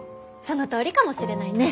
そのとおりかもしれないね！